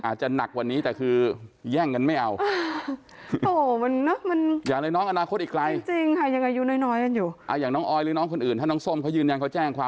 อ้าวคุณภูมิคนระยองใช่